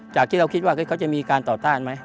ที่เราคิดว่าเขาจะมีการต่อต้านไหม